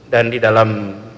dan di dalam